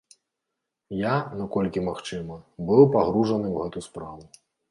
Я, наколькі магчыма, быў пагружаны ў гэту справу.